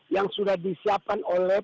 yang sudah disiapkan oleh